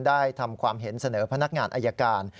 ได้ทำความเห็นเสนอพนักงานอายการ